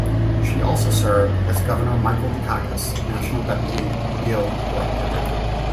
She also served as Governor Michael Dukakis' national deputy field director.